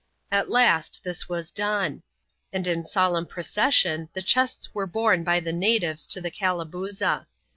At last this was done ; and in solemn procession the chests "were borne by the natives to the Calabooza.